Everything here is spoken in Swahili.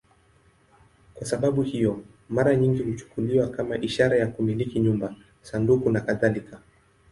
Kwa sababu hiyo, mara nyingi huchukuliwa kama ishara ya kumiliki nyumba, sanduku nakadhalika.